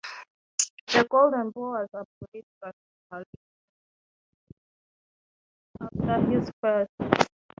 The Golden Bough was abridged drastically in subsequent editions after his first.